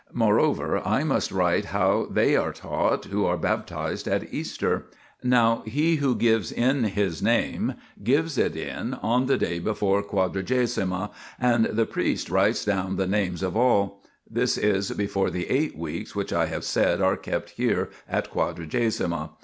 Moreover, I must write how they are taught who are baptised at Easter. Now he who gives in his name, gives it in on the day before Quadragesima, and the priest writes down the names of all ; this is before the eight weeks which I have said are kept here at Quadragesima.